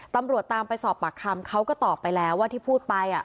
ตำรวจตามไปสอบปากคำเขาก็ตอบไปแล้วว่าที่พูดไป